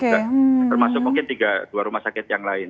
termasuk mungkin dua rumah sakit yang lain